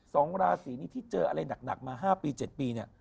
สองราศีนี้ที่เจออะไรหนักมา๕ปี๗ปีเนี่ย